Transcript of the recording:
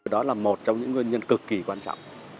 đó là một trong những nguyên nhân cực kỳ quan trọng